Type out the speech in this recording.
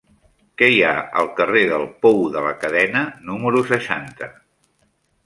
Què hi ha al carrer del Pou de la Cadena número seixanta?